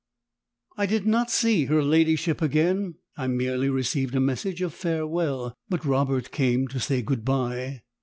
I did not see her ladyship again I merely received a message of farewell, but Robert came to say good bye.